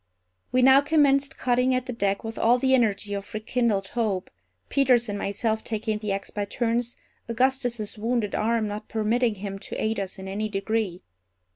We now commenced cutting at the deck with all the energy of rekindled hope, Peters and myself taking the axe by turns, Augustus's wounded arm not permitting him to aid us in any degree.